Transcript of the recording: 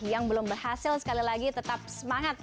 yang belum berhasil sekali lagi tetap semangat